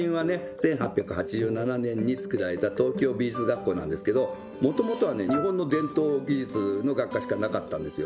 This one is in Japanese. １８８７年につくられた東京美術学校なんですけどもともとはね日本の伝統美術の学科しかなかったんですよ。